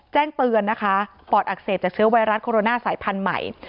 แจ้งเตือนนะคะปอดอักเสบจากเชื้อไวรัสโคโรนาสายพันธุ์ใหม่